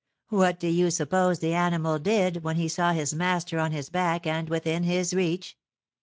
What do you suppose the animal did when he saw his master on his back and within his reach?